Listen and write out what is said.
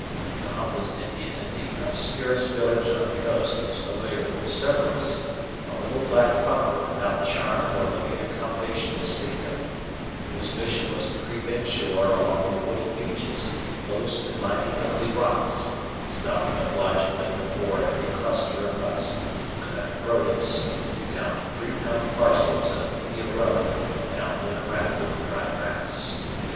The humblest Indian in the obscurest village on the coast was familiar with the Cerberus, a little black puffer without charm or living accommodation to speak of, whose mission was to creep inshore along the wooded beaches close to mighty ugly rocks, stopping obligingly before every cluster of huts to collect produce, down to three pound parcels of indiarubber bound in a wrapper of dry grass.